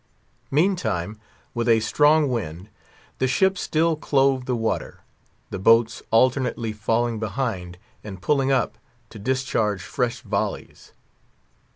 Meantime, with a strong wind, the ship still clove the water; the boats alternately falling behind, and pulling up, to discharge fresh volleys.